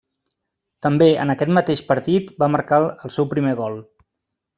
També en aquest mateix partit, va marcar el seu primer gol.